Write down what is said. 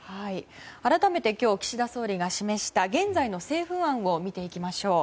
改めて今日、岸田総理が示した現在の政府案を見ていきましょう。